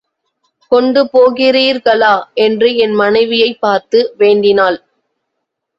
கொண்டு போகிறீர்களா? என்று என் மனைவியைப் பார்த்து வேண்டினாள்.